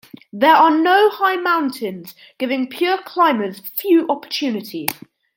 There are no high mountains, giving pure climbers few opportunities.